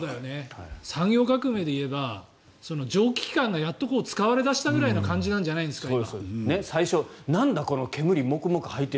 産業革命で言えば蒸気機関がやっと使われ出したぐらいの感じなんじゃないですか、今。